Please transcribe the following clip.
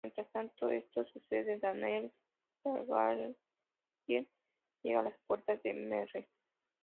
Mientras todo esto sucede, Daenerys Targaryen llega a las puertas de Meereen.